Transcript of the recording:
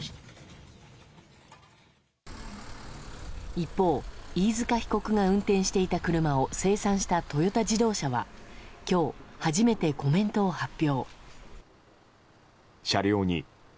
一方、飯塚被告が運転していた車を生産したトヨタ自動車は今日、初めてコメントを発表。